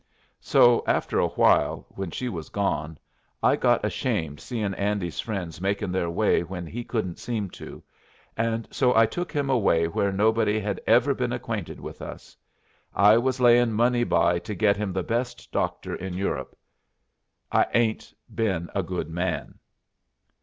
So after a while, when she was gone, I got ashamed seein' Andy's friends makin' their way when he couldn't seem to, and so I took him away where nobody hed ever been acquainted with us. I was layin' money by to get him the best doctor in Europe. I 'ain't been a good man."